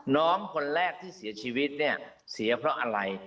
น้องคนแรกที่เสียชีวิตเนี่ยเสียเพราะอะไร